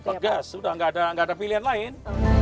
tegas sudah nggak ada pilihan lain